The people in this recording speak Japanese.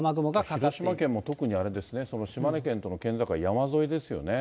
広島県も特にあれですね、島根県都の県境、山沿いですよね。